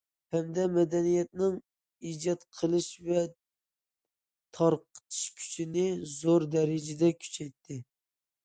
ھەمدە مەدەنىيەتنىڭ ئىجاد قىلىش ۋە تارقىتىش كۈچىنى زور دەرىجىدە كۈچەيتتى.